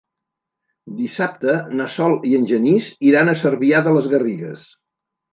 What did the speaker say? Dissabte na Sol i en Genís iran a Cervià de les Garrigues.